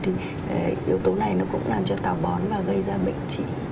thì yếu tố này nó cũng làm cho tào bón và gây ra bệnh trị